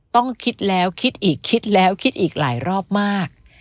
ต้องคิดแล้วคิดอีกคิดแล้วคิดอีกหลายรอบมาก